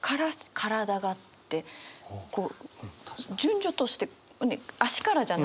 こう順序として足からじゃない。